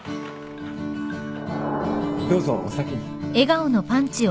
どうぞお先に